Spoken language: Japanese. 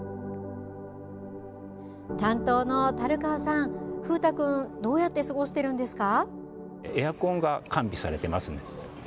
担当の樽川さん風太くん、どうやって過ごしているんですか。